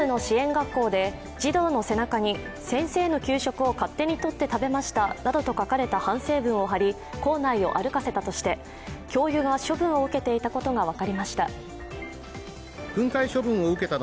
学校で児童の背中に先生の給食を勝手にとって食べましたなどと書かれた反省文を貼り校内を歩かせたとして教諭が処分を受けていたことが分かりました。